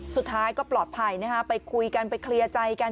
สุดท้ายก็ปลอดภัยนะฮะไปคุยกันไปเคลียร์ใจกัน